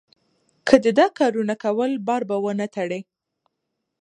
که دې دا کارونه کول؛ بار به و نه تړې.